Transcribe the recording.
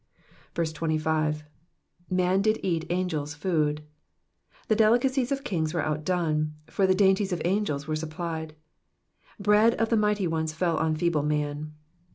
25. *^Man did eat angels' food,'*^ The delicacies of kings were outdone, for the dainties of angels were supplied. Bread of the mighty ones fell on feeble man.